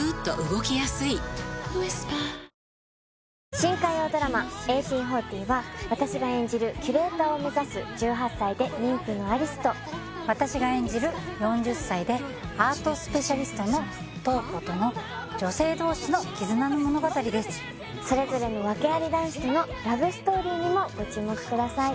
新火曜ドラマ「１８／４０」は私が演じるキュレーターを目指す１８歳で妊婦の有栖と私が演じる４０歳でアートスペシャリストの瞳子との女性同士の絆の物語ですそれぞれの訳あり男子とのラブストーリーにもご注目ください